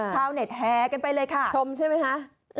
ชาวเน็ตแหกันไปเลยค่ะชมใช่ไหมคะ